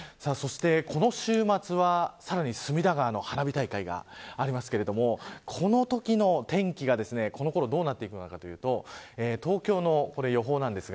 この週末は、さらに隅田川の花火大会がありますがこのときの天気がこのころどうなっていくのかというと東京の予報です